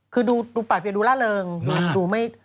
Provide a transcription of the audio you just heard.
คือดูปากเปลี่ยนดูล่าเริงดูไม่